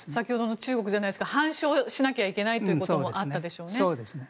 中国じゃないですけど反証しなきゃいけないということもあったでしょうね。